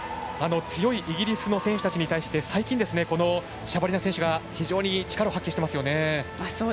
強いイギリスの選手たちに対して最近、シャバリナ選手が非常に力を発揮していますね。